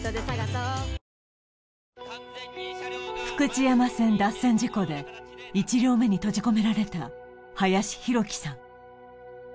福知山線脱線事故で１両目に閉じ込められた林浩輝さん